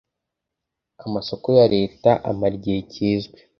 amasoko ya leta amara igihe kizwi.